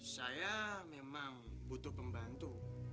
saya memang butuh pembantu